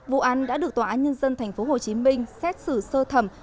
vụ án đã được tòa án nhân dân tp hcm xét xử sơ thẩm